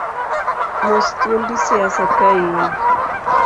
Mos thuondi siasa kain, cllr.